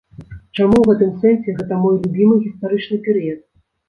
Чаму ў гэтым сэнсе гэта мой любімы гістарычны перыяд?